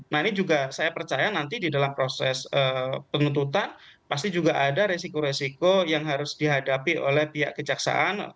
nah ini juga saya percaya nanti di dalam proses pengetutan pasti juga ada resiko resiko yang harus dihadapi oleh pihak kejaksaan